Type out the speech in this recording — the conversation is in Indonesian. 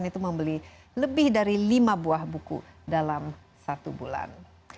dan itu membeli lebih dari lima buah buku dalam satu bulan